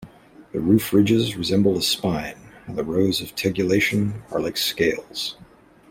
The roof ridges resemble a spine and the rows of tegulation are like scales.